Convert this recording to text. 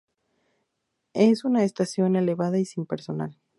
Es una estación elevada y sin personal.